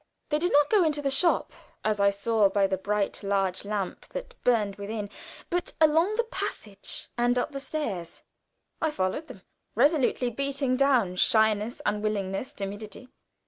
They did not go into the shop, as I saw by the bright large lamp that burned within, but along the passage and up the stairs. I followed them, resolutely beating down shyness, unwillingness, timidity.